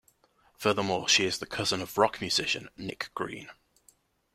Furthermore, she is the cousin of rock musician Nicke Green.